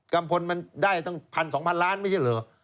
ัมพลมันได้ตั้ง๑๒๐๐๐ล้านไม่ใช่เหรอ